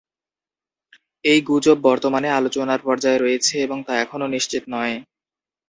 এই গুজব বর্তমানে আলোচনার পর্যায়ে রয়েছে এবং তা এখনো নিশ্চিত নয়।